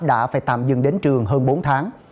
đã phải tạm dừng đến trường hơn bốn tháng